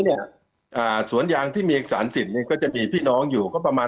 บอกอ่าสวนยางที่มีเอกสารสิทธิ์ก็จะมีพี่น้องอยู่ก็ประมาณ